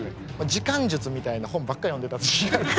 時間術みたいな本ばっかり読んでた時期があって。